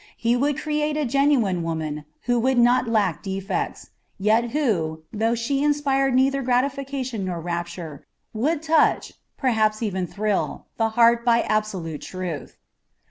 He would create a genuine woman, who would not lack defects, yet who, though she inspired neither gratification nor rapture, would touch, perhaps even thrill, the heart by absolute truth.